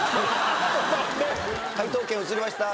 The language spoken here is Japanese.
解答権移りました。